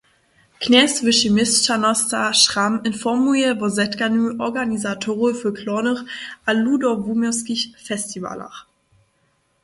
Knjez wyši měšćanosta Schramm informuje wo zetkanju organizatorow folklornych a ludowuměłskich festiwalach.